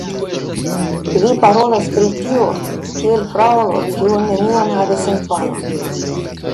Vi parolas pri tio, kiel fraŭlo kiu neniam havis infanon.